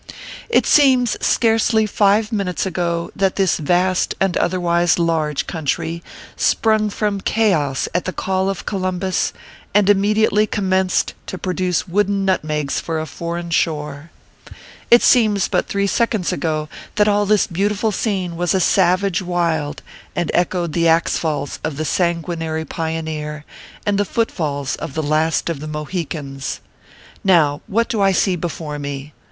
It seems scarcely five minutes ago that this vast and otherwise large country sprung from chaos at the call of Columbus, and immediately commenced to produce wooden nutmegs for a foreign shore. It seems but three seconds ago that all this beautiful scene was a savage wild, and echoed the axe falls of the sanguinary pioneer, and the footfalls of the Last of the Mohicans. Now what do I see before me